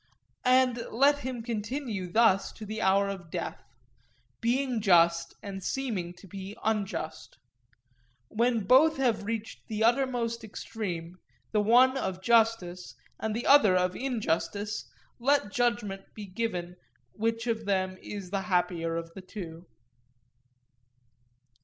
And let him continue thus to the hour of death; being just and seeming to be unjust. When both have reached the uttermost extreme, the one of justice and the other of injustice, let judgment be given which of them is the happier of the two.